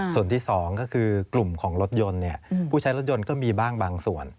ส่วนที่๒ก็คือกลุ่มของรถยนต์ผู้ใช้รถยนต์ก็มีบ้างบางส่วน